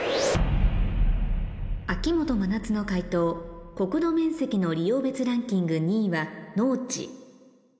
秋元真夏の解答国土面積の利用別ランキング２位は「農地」